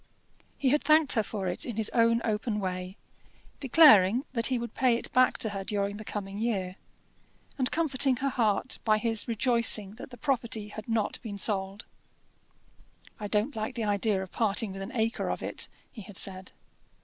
He had thanked her for it in his own open way, declaring that he would pay it back to her during the coming year, and comforting her heart by his rejoicing that the property had not been sold. "I don't like the idea of parting with an acre of it," he had said.